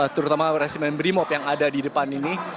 terutama resimen brimop yang ada di depan ini